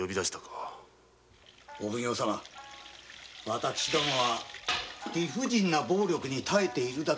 私どもは理不尽な暴力に耐えているだけ。